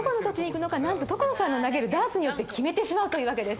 所さんの投げるダーツによって決めてしまうというわけです。